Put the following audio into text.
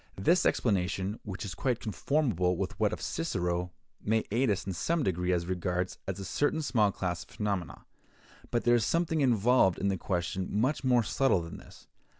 This explanation, which is quite conformable with that of Cicero, may aid us in some degree as regards a certain small class of phenomena; but there is something involved in the question much more subtle than this.